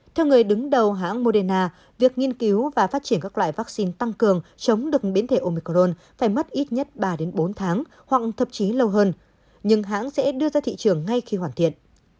theo người đứng đầu hãng moderna việc nghiên cứu và phát triển các loại vaccine tăng cường chống được biến thể omicrone phải mất ít nhất ba bốn tháng hoặc thậm chí lâu hơn nhưng hãng sẽ đưa ra thị trường ngay khi hoàn thiện